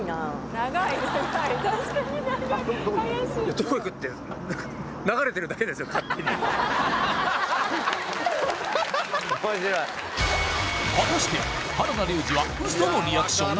どこ行くって果たして原田龍二はウソのリアクション？